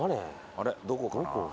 あれっどこかな？